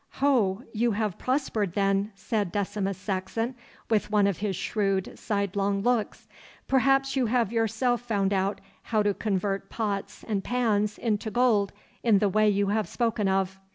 'Ho, you have prospered then!' said Decimus Saxon, with one of his shrewd sidelong looks. 'Perhaps you have yourself found out how to convert pots and pans into gold in the way you have spoken of.